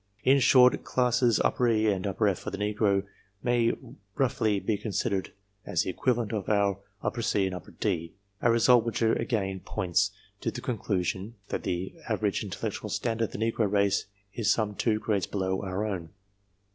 In short, classes E and F of the negro may roughly be considered as the equivalent of our C and D a result i which again points to the conclusion, that the average j intellectual standard of the negro race is some two grades/ below our own.